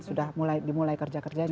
sudah dimulai kerja kerjanya